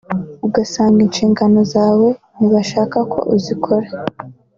ugasanga inshingano zawe ntibashaka ko uzikora